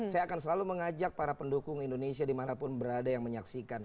saya akan selalu mengajak para pendukung indonesia dimanapun berada yang menyaksikan